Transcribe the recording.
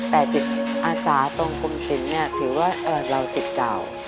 แต่จิตอาสาตรงกรมศิลป์ถือว่าเราจิตเก่า